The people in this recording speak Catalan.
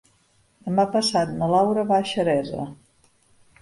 Demà passat na Laura va a Xeresa.